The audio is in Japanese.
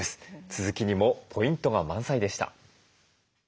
続きにもポイントが満載でした。